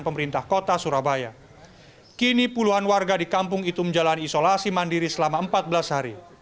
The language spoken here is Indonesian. pemerintah kota surabaya kini puluhan warga di kampung itu menjalani isolasi mandiri selama empat belas hari